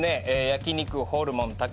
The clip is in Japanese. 焼肉ホルモンたけ